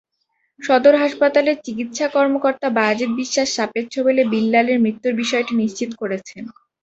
সদর হাসপাতালের চিকিৎসা কর্মকর্তা বায়েজিদ বিশ্বাস সাপের ছোবলে বিল্লালের মৃত্যুর বিষয়টি নিশ্চিত করেছেন।